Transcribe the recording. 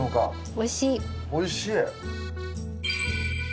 おいしい。